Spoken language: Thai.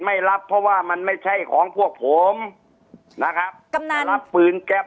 ไม่รับเพราะว่ามันไม่ใช่ของพวกผมนะครับกำนันรับปืนแก๊ป